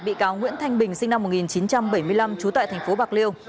bị cáo nguyễn thanh bình sinh năm một nghìn chín trăm bảy mươi năm trú tại thành phố bạc liêu